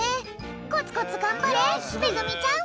コツコツがんばれめぐみちゃん！